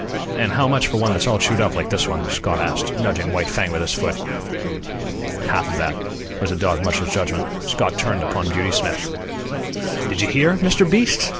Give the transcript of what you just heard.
"And how much for one that's all chewed up like this one?" Scott asked, nudging White Fang with his foot. "Half of that," was the dog musher's judgment. Scott turned upon Beauty Smith. "Did you hear, Mr. Beast?